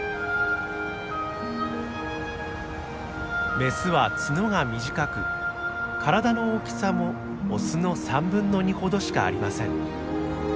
メスは角が短く体の大きさもオスの３分の２ほどしかありません。